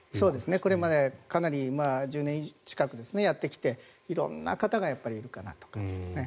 これまでかなり１０年近くやってきて色んな方がいるなと感じますね。